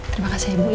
terima kasih ibu